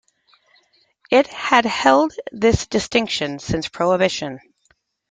It had held this distinction since Prohibition.